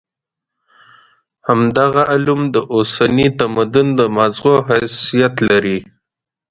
همدغه علوم د اوسني تمدن د ماغزو حیثیت لري.